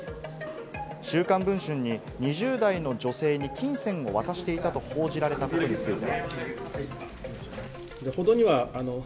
『週刊文春』に２０代の女性に金銭を渡していたと報じられたことについて。